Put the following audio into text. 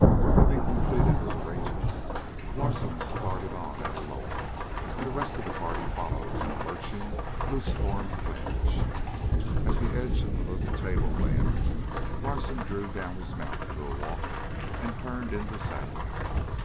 Having completed his arrangements, Larsen started on at a lope, and the rest of the party followed in a lurching, loose formed wedge. At the edge of the little tableland, Larsen drew down his mount to a walk and turned in the saddle.